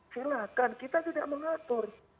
silahkan kita tidak mengatur